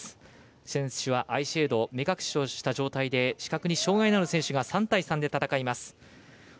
選手はアイシェード目隠しをした状態で視覚に障がいのある選手が３対３で戦います。